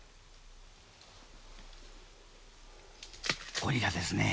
ゴリラですね。